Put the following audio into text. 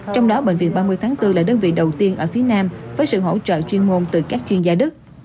trong đó bệnh viện ba mươi tháng bốn là đơn vị đầu tiên ở phía nam với sự hỗ trợ chuyên môn từ các chuyên gia đức